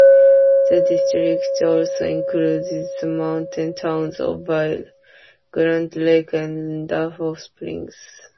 The district also includes the mountain towns of Vail, Grand Lake and Idaho Springs.